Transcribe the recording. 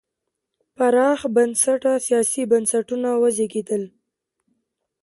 پراخ بنسټه سیاسي بنسټونه وزېږېدل.